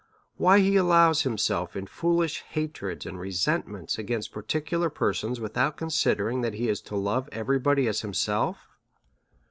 why he allows himself in foolish hatreds and resent ments ag ainst particular persons, without considering that he is to love every body as himself?